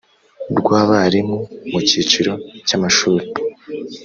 rw abarimu mu cyiciro cy amashuri